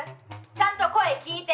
ちゃんと声聞いて！